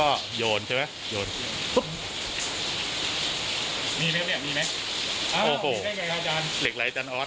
อ้าวมีแค่ไงอาจารย์อาจารย์ออส